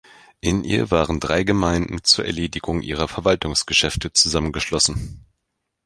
In ihr waren drei Gemeinden zur Erledigung ihrer Verwaltungsgeschäfte zusammengeschlossen.